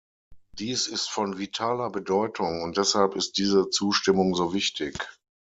Dies ist von vitaler Bedeutung, und deshalb ist diese Zustimmung so wichtig.